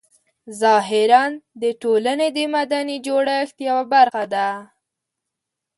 ظاهراً د ټولنې د مدني جوړښت یوه برخه ده.